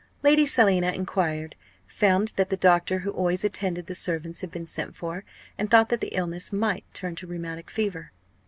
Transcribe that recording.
Lady Selina enquired, found that the doctor who always attended the servants had been sent for, and thought that the illness might turn to rheumatic fever.